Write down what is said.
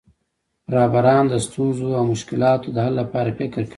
رهبران د ستونزو او مشکلاتو د حل لپاره فکر کوي.